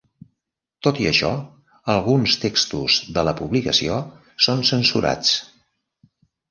Tot i això, alguns textos de la publicació són censurats.